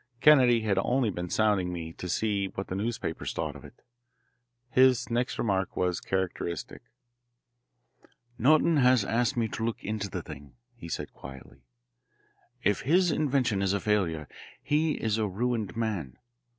Kennedy had only been sounding me to see what the newspapers thought of it. His next remark was characteristic. "Norton has asked me to look into the thing," he said quietly. "If his invention is a failure, he is a ruined man.